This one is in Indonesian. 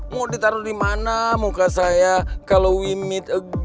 mau ditaruh dimana muka saya kalau we meet again